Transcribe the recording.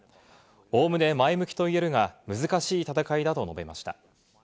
おおむね前向きと言えるが、難しい戦いだと述べました。